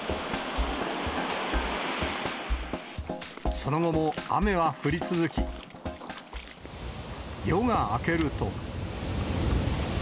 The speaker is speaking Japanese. その後も雨は降り続き、夜が明けると。